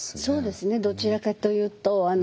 そうですねどちらかというと。